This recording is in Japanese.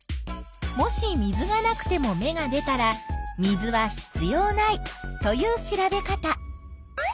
もし水がなくても芽が出たら水は必要ないという調べ方。